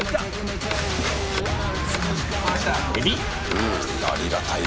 うんありがたい。